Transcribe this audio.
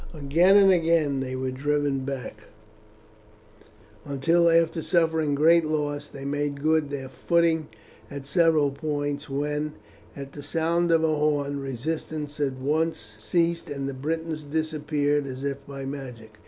Again and again they were driven back, until after suffering great loss they made good their footing at several points, when, at the sound of a horn, resistance at once ceased, and the Britons disappeared as if by magic.